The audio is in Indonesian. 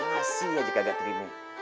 masih aja kagak terima